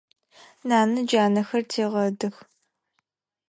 Нанэ джанэхэр тегъэдых.